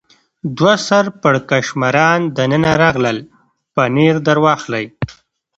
دوه سر پړکمشران دننه راغلل، پنیر در واخلئ.